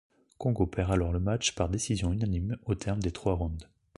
Kongo perd alors le match par décision unanime aux termes des trois rounds.